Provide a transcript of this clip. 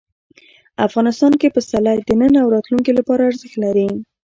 افغانستان کې پسرلی د نن او راتلونکي لپاره ارزښت لري.